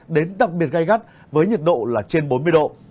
đến đặc biệt gai gắt với nhiệt độ là trên bốn mươi độ